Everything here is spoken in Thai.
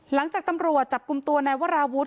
หลังจากตำรวจจับกลุ่มตัวนายวราวุฒิ